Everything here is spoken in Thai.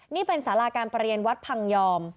นี่เป็นสาราการประเรียนวัดพังยอม